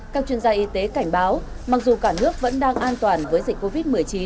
các chuyên gia y tế cảnh báo mặc dù cả nước vẫn đang an toàn với dịch covid một mươi chín